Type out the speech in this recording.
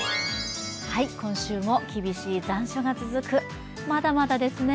今週も厳しい残暑が続く、まだまだですね。